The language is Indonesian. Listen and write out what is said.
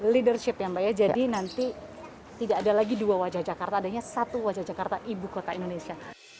leadership ya mbak ya jadi nanti tidak ada lagi dua wajah jakarta adanya satu wajah jakarta ibu kota indonesia